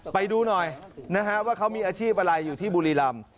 ไปดูหน่อยนะฮะว่าเขามีอาชีพอะไรอยู่ที่บุรีรำ